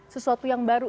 sesuatu yang baru